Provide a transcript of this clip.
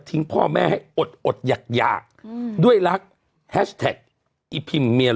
ทิ้งพ่อแม่ให้อดอดอยากอยากอืมด้วยลักษณ์ไอ้พิมพ์เมีย